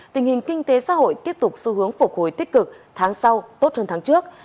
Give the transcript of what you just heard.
tình hình kinh tế xã hội tiếp tục xu hướng phục hồi tích cực tháng sau tốt hơn tháng trước